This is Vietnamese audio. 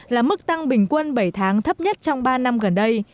là mức tăng bình quân bảy tháng thấp nhất trong ba năm gần đây